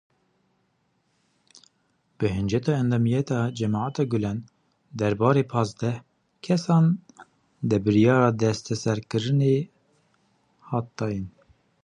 Bi hinceta endamtiya Cemaeta Gulen derbarê pazdeh kesan de biryara desteserkirinê hat dayîn